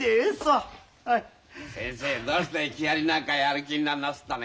先生どうして木遣りなんかやる気になりなすったね？